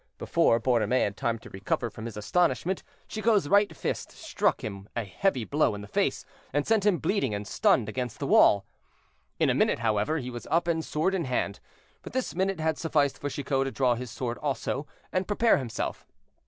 Before Borromée had time to recover from his astonishment, Chicot's right fist struck him a heavy blow in the face, and sent him bleeding and stunned against the wall. In a minute, however, he was up, and sword in hand; but this minute had sufficed for Chicot to draw his sword also, and prepare himself.